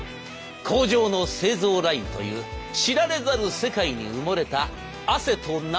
工場の製造ラインという知られざる世界に埋もれた汗と涙の黒歴史。